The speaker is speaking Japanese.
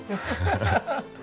ハハハ。